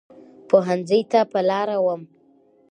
پوهنځۍ ته په لاره وم.